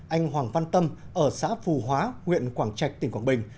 anh hoàng văn tâm ở xã phù hóa huyện quảng trạch tỉnh quảng bình